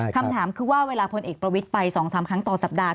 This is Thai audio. คำถามคือว่าเวลาพลเอกประวิทย์ไป๒๓ครั้งต่อสัปดาห์